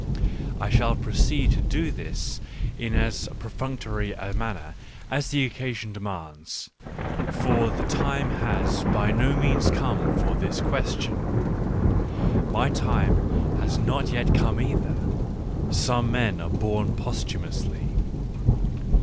I shall proceed to do this in as perfunctory a manner as the occasion demands ; for the time has by no means come for this question. My time has not yet come either; some are born posthumously.